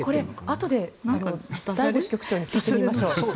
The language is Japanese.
あとで醍醐支局長に聞いてみましょう。